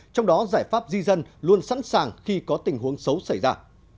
trong đó giải pháp di dân luôn sẵn sàng khi có tình huống xấu xảy ra